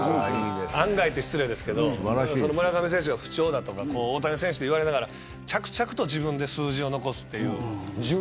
案外と言うと失礼ですけど村上選手の不調とか大谷選手と言われながら着々と数字を残すという。